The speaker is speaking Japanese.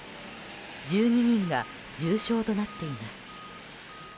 １２人が重傷となっています。